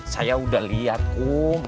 saya udah lihat kum